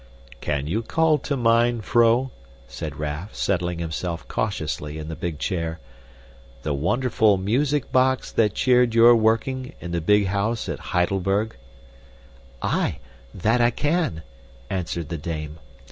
"Can you call to mind, vrouw," said Raff, settling himself cautiously in the big chair, "the wonderful music box that cheered your working in the big house at Heidelberg?" "Aye, that I can," answered the dame.